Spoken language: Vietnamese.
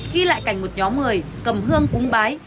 ghi lại cảnh một nhóm người cầm hương cúng bái